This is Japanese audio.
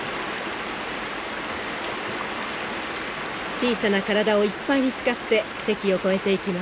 小さな体をいっぱいに使ってせきを越えていきます。